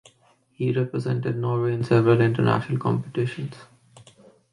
He represented Norway in several international competitions.